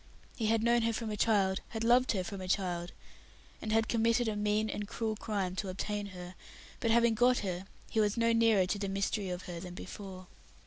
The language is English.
He had known her from a child, had loved her from a child, and had committed a mean and cruel crime to obtain her; but having got her, he was no nearer to the mystery of her than before.